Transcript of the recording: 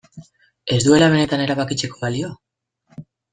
Ez duela benetan erabakitzeko balio?